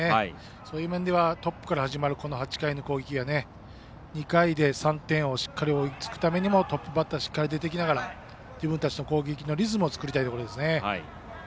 そういう面ではトップから始まる８回の攻撃は２回で３点を追いつくためにもトップバッターがしっかり出てきながら自分たちの攻撃のリズムを作りたいところですね。